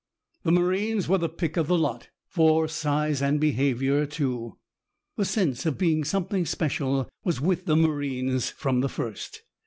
The marines were the pick of the lot, for size and behavior too. The sense of being something special was with the marines from the first.